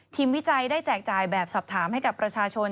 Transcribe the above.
วิจัยได้แจกจ่ายแบบสอบถามให้กับประชาชน